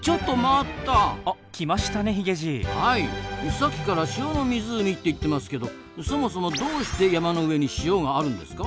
さっきから塩の湖って言ってますけどそもそもどうして山の上に塩があるんですか？